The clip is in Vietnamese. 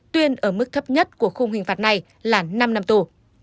tuyên ở mức thấp nhất của khung hình phạt này là năm năm tù